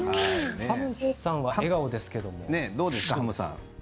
ハムさんは笑顔ですけど。